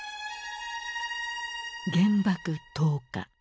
原爆投下。